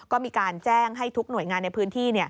ก็มีการแจ้งให้ทุกหน่วยงานในพื้นที่